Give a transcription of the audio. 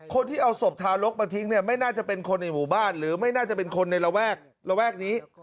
คนที่เอาศพทารกมาทิ้งเนี่ยไม่น่าจะเป็นคนในหมู่บ้านหรือไม่น่าจะเป็นคนในระแวกระแวกนี้